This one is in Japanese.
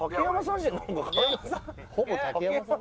ほぼ竹山さん。